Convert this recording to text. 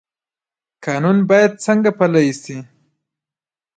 قانون باید څنګه پلی شي؟